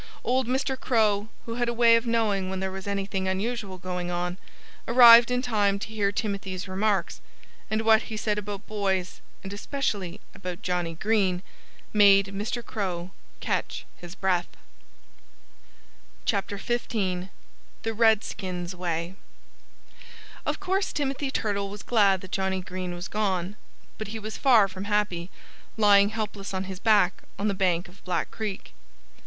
Old Mr. Crow, who had a way of knowing when there was anything unusual going on, arrived in time to hear Timothy's remarks. And what he said about boys and especially about Johnnie Green made Mr. Crow catch his breath. XV THE REDSKINS' WAY Of course Timothy Turtle was glad that Johnnie Green was gone. But he was far from happy, lying helpless on his back on the bank of Black Creek.